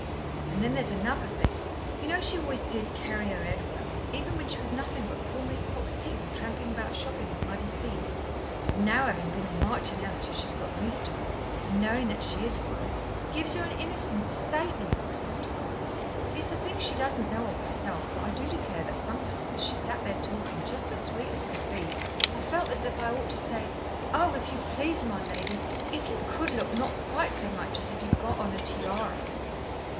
And then there's another thing. You know she always did carry her head well, even when she was nothing but poor Miss Fox Seton tramping about shopping with muddy feet. And now, having been a marchioness till she's got used to it, and knowing that she is one, gives her an innocent, stately look sometimes. It's a thing she doesn't know of herself, but I do declare that sometimes as she's sat there talking just as sweet as could be, I've felt as if I ought to say, 'Oh! if you please, my lady, if you could look not quite so much as if you'd got on a tiara.'"